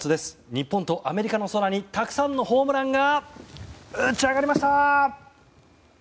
日本とアメリカの空にたくさんのホームランが打ち上がりました！